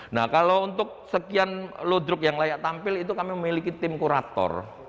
nah kalau untuk sekian ludruk yang layak tampil itu kami memiliki tim kurator